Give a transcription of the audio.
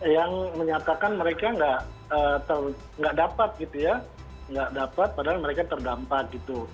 yang menyatakan mereka nggak dapat gitu ya nggak dapat padahal mereka terdampak gitu